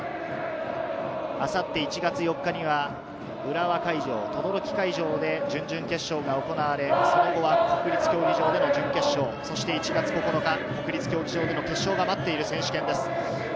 あさって１月４日には、浦和会場、等々力会場で準々決勝が行われ、その後は国立競技場での準決勝、そして１月９日、国立競技場での決勝が待っている選手権です。